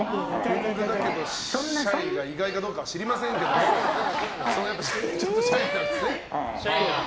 天狗だけどシャイが意外かは知りませんけどシャイなんですね。